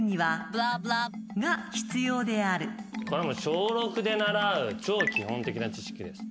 小６で習う超基本的な知識です。